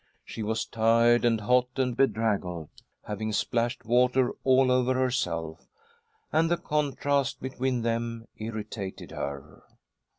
She was tired and hot and bedraggled, having splashed water all over herself, and the contrast between them irritated her.